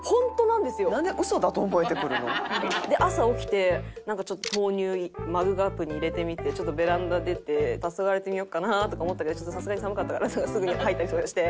朝起きてなんか豆乳マグカップに入れてみてちょっとベランダ出てたそがれてみようかなとか思ったけどちょっとさすがに寒かったからすぐに入ったりとかして。